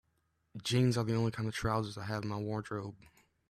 Jeans are the only kind of trousers I have in my wardrobe.